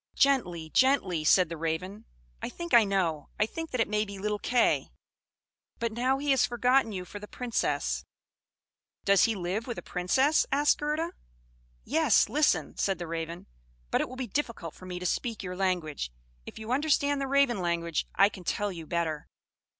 "Gently, gently," said the Raven. "I think I know; I think that it may be little Kay. But now he has forgotten you for the Princess." "Does he live with a Princess?" asked Gerda. "Yes listen," said the Raven; "but it will be difficult for me to speak your language. If you understand the Raven language I can tell you better."